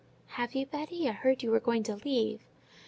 "Have you, Betty? I heard you were going to leave."